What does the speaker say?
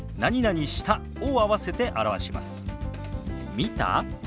「見た？」。